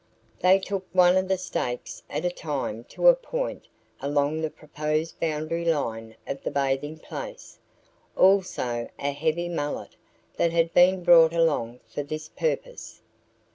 They took one of the stakes at a time to a point along the proposed boundary line of the bathing place, also a heavy mallet that had been brought along for this purpose.